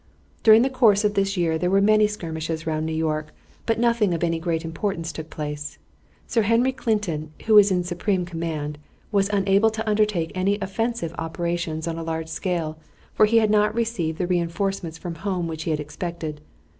During the course of this year there were many skirmishes round New York, but nothing of any great importance took place. Sir Henry Clinton, who was in supreme command, was unable to undertake any offensive operations on a large scale, for he had not received the re enforcements from home which he had expected.